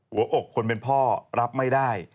หัวอกคนเป็นพ่อรับไม่ได้